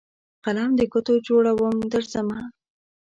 قلم دګوټو جوړوم درځمه